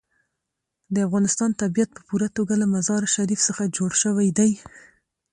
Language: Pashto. د افغانستان طبیعت په پوره توګه له مزارشریف څخه جوړ شوی دی.